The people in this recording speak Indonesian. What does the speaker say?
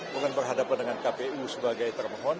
bukan berhadapan dengan kpu sebagai termohon